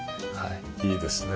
いいですね。